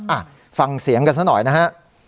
อ่ะฟังเสียงกันซะหน่อยนะฮะ